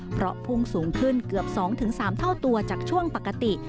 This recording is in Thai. เพราะพุ่งสูงขึ้นเกือบ๒๓เท่าตัวจากช่วงปกติ